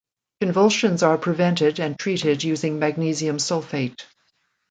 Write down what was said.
Convulsions are prevented and treated using magnesium sulfate.